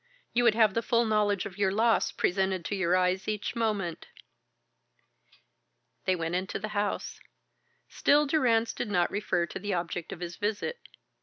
You would have the full knowledge of your loss presented to your eyes each moment." They went into the house. Still Durrance did not refer to the object of his visit.